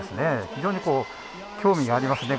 非常に興味がありますね。